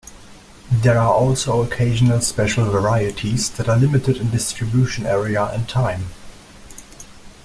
There are also occasional special varieties that are limited in distribution area and time.